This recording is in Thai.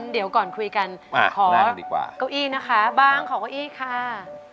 เดี๋ยวก่อนคุยกันขอดีกว่าเก้าอี้นะคะบ้างขอเก้าอี้ค่ะ